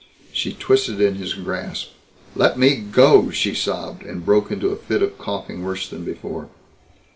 She twisted in his grasp. "Let me go!" she sobbed and broke into a fit of coughing worse than before.